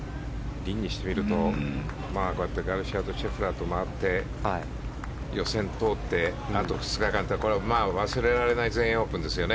リンにしてみるとガルシアとシェフラーと回って予選通って、あと２日間って忘れられない全英オープンですよね。